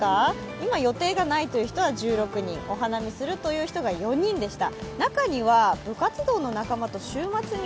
今予定がないという人は１６人、お花見するという人が４人でした。